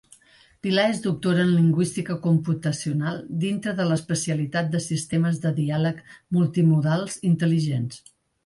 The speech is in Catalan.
Pilar és doctora en Lingüística Computacional, dintre de l'especialitat de sistemes de diàleg multimodals Intel·ligents.